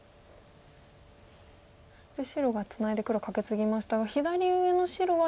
そして白がツナいで黒カケツギましたが左上の白は手を抜いてももう大丈夫。